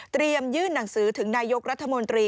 ยื่นหนังสือถึงนายกรัฐมนตรี